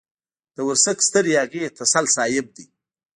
د ورسک ستر ياغي تسل صاحب دی.